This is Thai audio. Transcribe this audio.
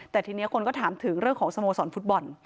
แต่ทีนี้คนก็ถามถึงเรื่องของสโมสรฟุตบอล